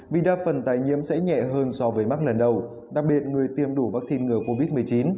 vì đa phần tái nhiễm sẽ nhẹ hơn so với mắc lần đầu đặc biệt người tiêm đủ vaccine ngừa covid một mươi chín